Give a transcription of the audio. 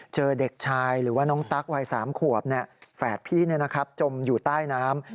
เด็กชายหรือว่าน้องตั๊กวัย๓ขวบแฝดพี่จมอยู่ใต้น้ำ